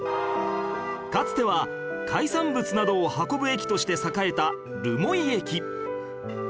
かつては海産物などを運ぶ駅として栄えた留萌駅